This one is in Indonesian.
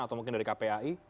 atau mungkin dari kpai